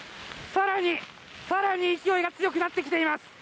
更に、更に勢いが強くなってきています。